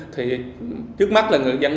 thì trước mắt là người dân